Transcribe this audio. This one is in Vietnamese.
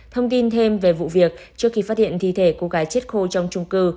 thông tin thêm về vụ việc trước khi phát hiện thi thể cô gái chết khô trong trung cư